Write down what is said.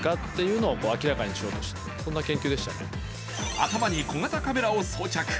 頭に小型カメラを装着。